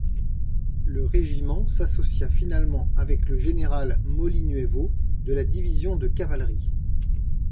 Le régiment s’associa finalement avec le général Molinuevo, de la division de cavalerie.